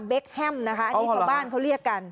เคแฮมนะคะอันนี้ชาวบ้านเขาเรียกกัน